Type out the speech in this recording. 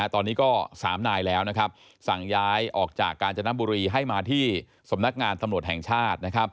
ตอนนี้ก็๓นายแล้วสั่งย้ายออกจากกาญจนบุรีให้มาที่สำนักงานตำรวจแห่งชาติ